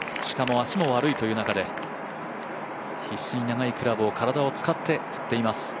しかも、足も悪いという中で、必死にクラブを振っています。